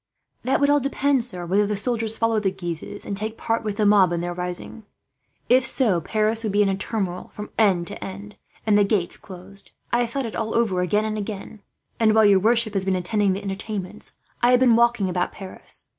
"That would all depend, sir, whether the soldiers follow the Guises and take part with the mob in their rising. If so, Paris would be in a turmoil from end to end, and the gates closed. I have thought it all over, again and again; and while your worship has been attending the entertainments, I have been walking about Paris.